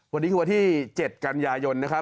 วันนี้คือวันที่๗กันยายนนะครับ